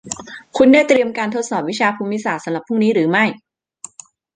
คุณได้เตรียมการทดสอบวิชาภูมิศาสตร์สำหรับพรุ่งนี้หรือไม่